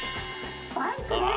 バイクです。